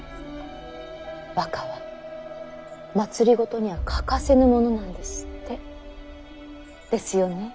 和歌は政には欠かせぬものなんですって。ですよね。